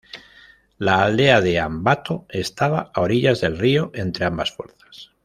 La aldea de Ambato estaba a orillas del río entre ambas fuerzas.